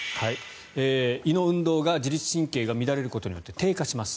胃の運動が自律神経が乱れることによって低下します。